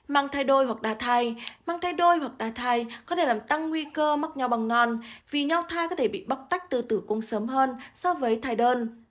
mang thai đôi hoặc đa thai mang thai đôi hoặc đa thai có thể làm tăng nguy cơ mắc nho bong non vì nho thai có thể bị bóc tách từ tử cung sớm hơn so với thai đơn